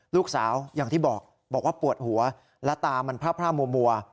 ลูกสาวอย่างที่บอกบอกว่าปวดหัวและตามันพร่าพร่าวมัว